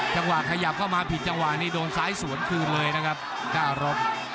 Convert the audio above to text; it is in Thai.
จังหวะขยับเข้ามาผิดจังหวะนี้โดนซ้ายสวนคืนเลยนะครับก้ารบ